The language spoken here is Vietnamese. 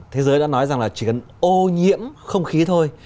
thế giới đã nói rằng là chỉ cần ô nhiễm không khí thôi